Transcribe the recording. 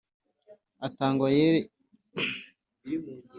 Atangwa yerekeye mutungo umwenda